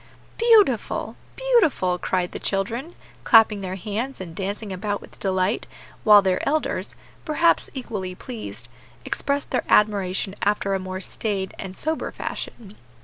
"Beautiful! beautiful!" cried the children, clapping their hands and dancing about with delight, while their elders, perhaps equally pleased, expressed their admiration after a more staid and sober fashion.